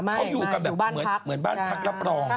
เขาอยู่กันแบบเหมือนบ้านพักรับรอง